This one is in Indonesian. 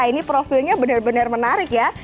ini profilnya benar benar menarik ya